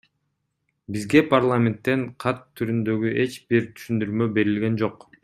Бизге парламенттен кат түрүндөгү эч бир түшүндүрмө берилген жок.